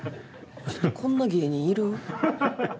こんな芸人いる？